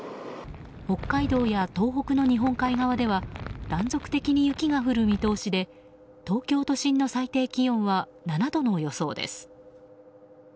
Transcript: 北海道や東北の日本海側では断続的に雪が降る見通しで東京都心の最低気温は７度の予想です。